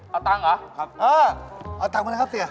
เอาตังค์เหรอครับเออเอาตังค์มาเลยครับเสีย